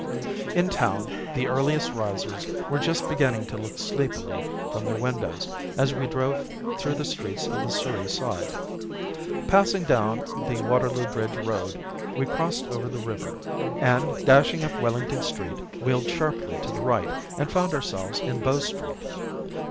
In town the earliest risers were just beginning to look sleepily from their windows as we drove through the streets of the Surrey side. Passing down the Waterloo Bridge Road we crossed over the river, and dashing up Wellington Street wheeled sharply to the right and found ourselves in Bow Street.